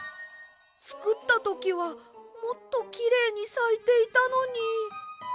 つくったときはもっときれいにさいていたのに。